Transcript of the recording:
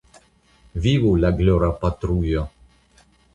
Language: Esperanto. Vivu la glora patrujo!